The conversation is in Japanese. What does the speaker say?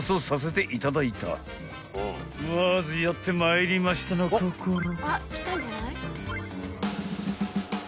［まずやってまいりましたのこころ］